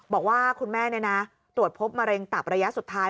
บอกว่าคุณแม่ตรวจพบมะเร็งตับระยะสุดท้าย